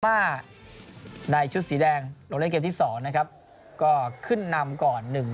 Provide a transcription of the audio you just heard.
มาในชุดสีแดงลงเล่นเกมที่๒นะครับก็ขึ้นนำก่อนหนึ่ง